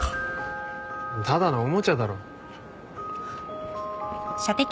ただのおもちゃだろ。